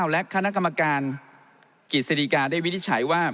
และคณะกรรมการกิจศิริกาได้วิทย์ใช้ว่า